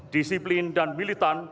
disiplin dan militan